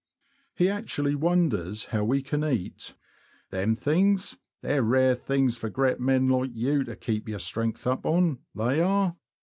He actually wonders how we can eat " them things ; they're rare things for gret men like yow to keep yar strength up on, they are.''